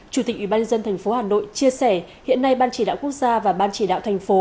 chủ tịch ubnd tp hà nội chia sẻ hiện nay ban chỉ đạo quốc gia và ban chỉ đạo thành phố